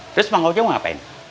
terus bang ojek mau ngapain